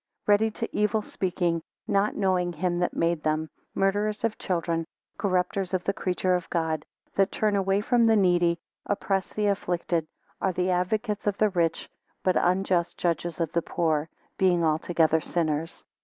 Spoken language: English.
6 Ready to evil speaking, not knowing him that made them; murderers of children; corrupters of the creature of God; that turn away from the needy; oppress the afflicted; are the advocates of the rich, but unjust judges of the poor; being altogether sinners.